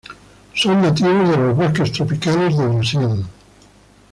Son nativos de los bosques tropicales de Brasil.